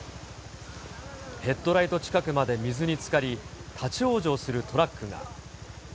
ヘッドライト近くまで水につかり、立往生するトラックが。